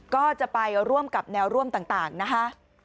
ก็จะไปร่วมกับแนวร่วมต่างนะคะ